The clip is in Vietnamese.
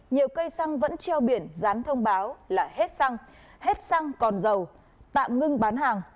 nhiều cây xăng vẫn treo biển rán thông báo là hết xăng hết xăng còn dầu tạm ngưng bán hàng